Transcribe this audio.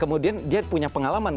kemudian dia punya pengalaman